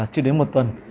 chưa đến một tuần